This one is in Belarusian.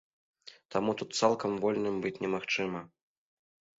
Таму тут цалкам вольным быць немагчыма.